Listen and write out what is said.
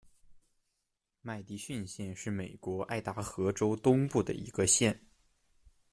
麦迪逊县是美国爱达荷州东部的一个县。